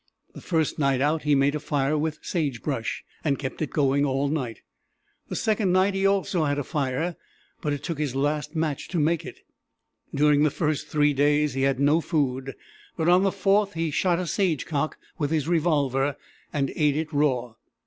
The first night out he made a fire with sage brush, and kept it going all night. The second night he also had a fire, but it took his last match to make it. During the first three days he had no food, but on the fourth he shot a sage cock with his revolver, and ate it raw.